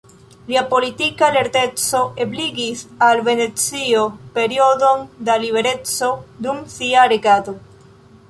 Lia politika lerteco ebligis al Venecio periodon da libereco dum sia regado.